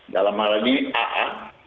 dalam hal ini aa